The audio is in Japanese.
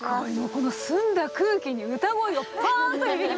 この澄んだ空気に歌声がパーンと響きましたね。